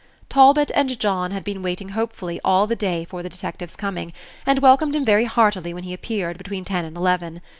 Talbot and John had been waiting hopefully all the day for the detective's coming, and welcomed him very heartily when he appeared, between ten and eleven.